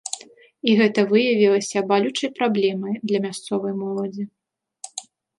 І гэта выявілася балючай праблемай для мясцовай моладзі.